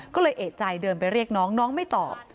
ก็เลยเอกใจเดินไปเรียกน้องน้องไม่ตอบ